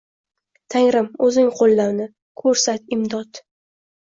Tangrim, oʼzing qoʼlla uni, koʼrsat imdod.